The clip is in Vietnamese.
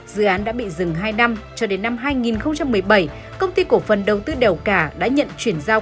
dự án đã bị dừng hai năm cho đến năm hai nghìn một mươi bảy công ty cổ phần đầu tư đèo cả đã nhận chuyển giao